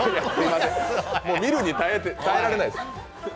見るに耐えられないです。